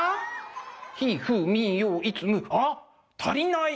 ひいふうみいよいつむあっ足りない！